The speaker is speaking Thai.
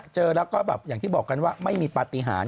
เจอแล้วก็แบบอย่างที่บอกกันว่าไม่มีปฏิหาร